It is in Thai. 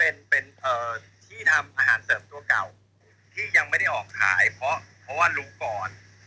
ที่ยังไม่ได้ออกขายเพราะว่ารู้ก่อน